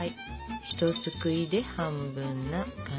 ひとすくいで半分な感じ。